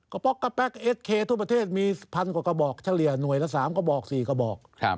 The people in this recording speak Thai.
ป๊อกกระแป๊กเอสเคทั่วประเทศมีพันกว่ากระบอกเฉลี่ยหน่วยละ๓กระบอก๔กระบอก